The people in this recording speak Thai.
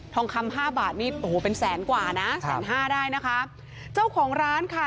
ทองคำห้าบาทนี่โอ้โหเป็นแสนกว่านะแสนห้าได้นะคะเจ้าของร้านค่ะ